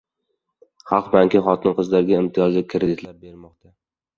Xalq banki xotin-qizlarga imtiyozli kreditlar bermoqda